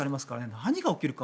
何が起きるか。